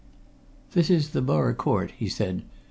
"This is the Borough Court," he said.